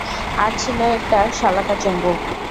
আর ছিল একটি শলাকা চুম্বক।